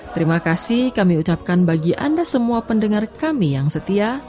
terima kasih kami ucapkan bagi anda semua pendengar kami yang setia